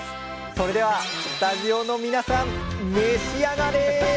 それではスタジオの皆さん召し上がれ！